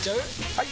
・はい！